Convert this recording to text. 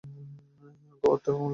ঘ. অর্থের সময় মূল্য বিবেচনা